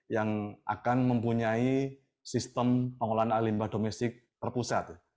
yang akan mempunyai sistem pengelolaan air limbah domestik terpusat